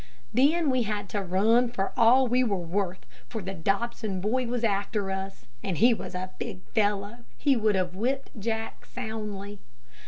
Then we had to run for all we were worth, for the Dobson boy was after us, and as he was a big fellow he would have whipped Jack soundly.